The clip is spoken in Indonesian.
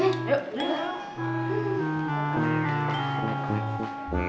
aduh dimana kado nya ya